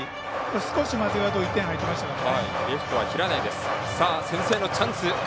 少し間違うと１点、入ってましたからね。